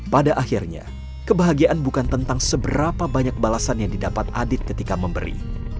pada akhirnya kebahagiaan bukan tentang seberapa banyak balasan yang didapat adit ketika memberi